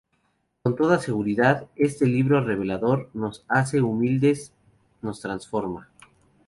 Con toda seguridad, este libro revelador nos hace más humildes, nos transforma.